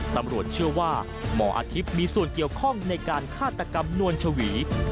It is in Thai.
ตำรวจเชื่อว่าหมออาทิตย์มีส่วนเกี่ยวข้องในการฆาตกรรมนวลชวี